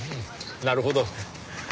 なるほど。